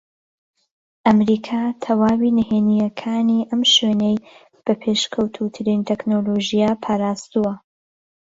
ئەمریکا تەواوی نھێنییەکانی ئەم شوێنەی بە پێشکەوتووترین تەکنەلۆژیا پارازتووە